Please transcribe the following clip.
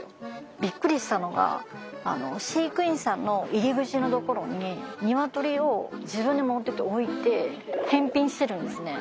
びっくりしたのが飼育員さんの入り口のところにニワトリを自分で持っていって置いて返品してるんですね。